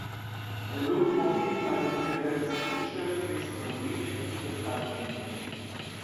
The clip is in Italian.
È l'ultimo film a riunire Terence Fisher, Christopher Lee e Peter Cushing.